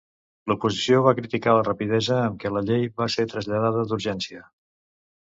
L'Oposició va criticar la rapidesa amb què la llei va ser traslladada d'urgència.